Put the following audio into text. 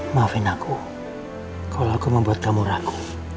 maafin aku kalau aku membuat kamu ragu